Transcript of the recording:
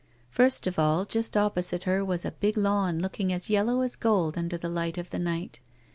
First of all, just opposite her, was a big lawn looking us yellow as gold under the light of the night.